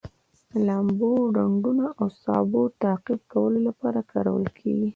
د لامبلو ډنډونو او سابو تعقیم کولو لپاره کارول کیږي.